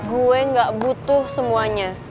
gue gak butuh semuanya